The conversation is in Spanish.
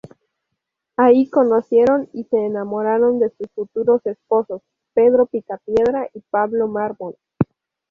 Ahí conocieron y se enamoraron de sus futuros esposos, Pedro Picapiedra y Pablo Mármol.